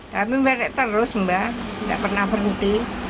tapi membatik terus mbah nggak pernah berhenti